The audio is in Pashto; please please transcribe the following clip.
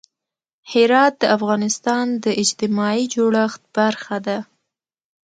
هرات د افغانستان د اجتماعي جوړښت برخه ده.